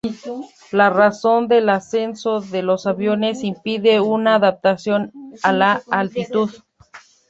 La razón de ascenso de los aviones impide una adaptación a la altitud.